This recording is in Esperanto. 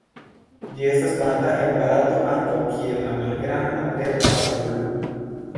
Ĝi estas konata en Barato ankaŭ kiel la Malgranda verda barbulo.